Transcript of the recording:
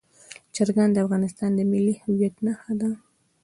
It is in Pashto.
چرګان د افغانستان د ملي هویت نښه ده.